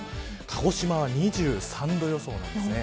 鹿児島は、２３度予想です。